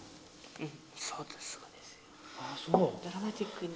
うん。